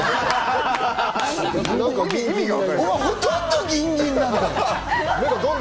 お前、ほとんどギンギンなんだよ。